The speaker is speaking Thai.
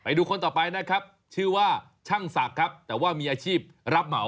ดูคนต่อไปนะครับชื่อว่าช่างศักดิ์ครับแต่ว่ามีอาชีพรับเหมา